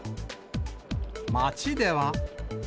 街では。